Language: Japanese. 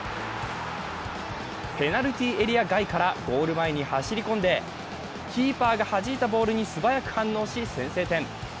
ペナルティーエリア外からゴール前に走り込んでキーパーがはじいたボールに素早く反応し先制点。